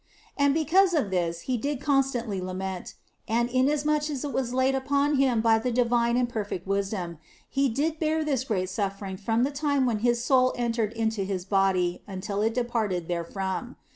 And be cause of this He did constantly lament, and inasmuch as it was laid upon Him by the divine and perfect wisdom, He did bear this great suffering from the time when His soul entered into His body until it departed therefrom.